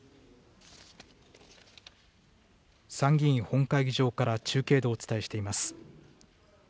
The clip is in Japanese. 参議院本会議場から中継でお伝えしています。